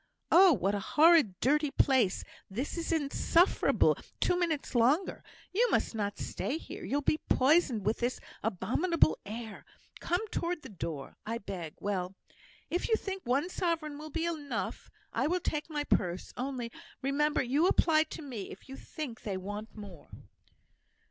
Oh! what a horrid dirty place this is; insufferable two minutes longer. You must not stay here; you'll be poisoned with this abominable air. Come towards the door, I beg. Well, if you think one sovereign will be enough, I will take my purse; only, remember you apply to me if you think they want more."